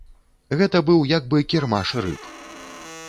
Гэта быў як бы кірмаш рыб.